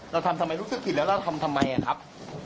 เราทำทำไมรู้สึกผิดแล้วเราทำทำไมครับ